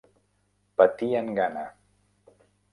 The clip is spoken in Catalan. Patien gana.